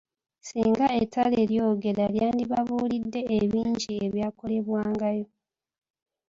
Ssinga ettale lyogera lyandibabuulidde ebingi ebyakolebwangayo.